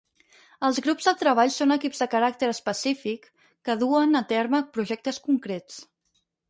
Els grups de treball són equips de caràcter específic que duen a terme projectes concrets.